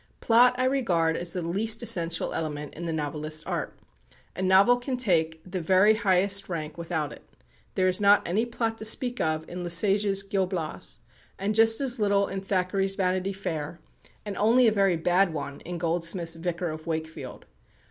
Plot I regard as the least essential element in the novelist's art. A novel can take the very highest rank without it. There is not any plot to speak of in Lesage's "Gil Blas," and just as little in Thackeray's "Vanity Fair," and only a very bad one in Goldsmith's "Vicar of Wakefield."